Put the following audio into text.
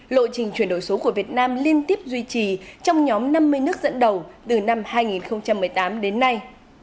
lộ trình chuyển đổi số của việt nam liên tiếp duy trì trong nhóm năm mươi nước dẫn đầu từ năm hai nghìn một mươi tám đến nay